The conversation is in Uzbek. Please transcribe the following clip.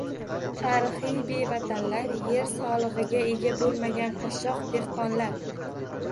Tarixiy bevatanlar-yer solig‘iga ega bo‘lmagan qashshoq dehqonlar.